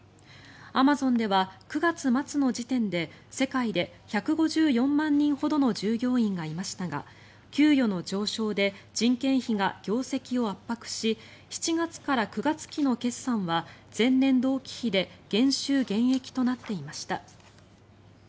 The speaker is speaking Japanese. アマゾンでは９月末の時点で世界で１５４万人ほどの従業員がいましたが給与の上昇で人件費が業績を圧迫し７月から９月期の決算は前年同期比で減収減益となっていました。